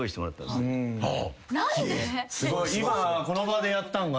すごい。